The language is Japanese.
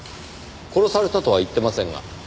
殺されたとは言ってませんが。